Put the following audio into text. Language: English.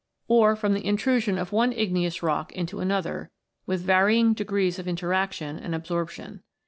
or from the intrusion of one igneous rock into another, with varying degrees of interaction and absorption.